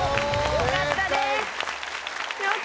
よかったです！